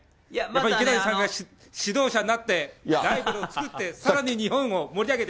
池谷さんが指導者になってライバルを作って、さらに日本を盛り上げて！